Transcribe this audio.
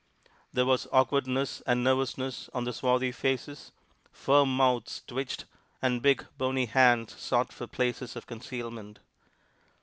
There was awkwardness and nervousness on the swarthy faces; firm mouths twitched, and big, bony hands sought for places of concealment.